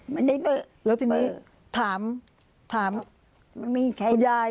แล้วทีนี้ถามคุณยาย